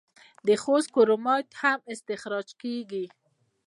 د خوست کرومایټ هم استخراج کیږي.